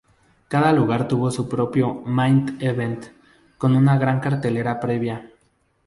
Cada lugar tuvo su propio "main event" con una gran cartelera previa.